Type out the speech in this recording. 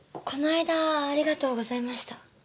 この間ありがとうございました。